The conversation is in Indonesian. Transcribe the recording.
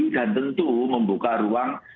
dan tentu membuka ruang